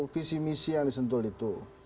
visi misi yang disentul itu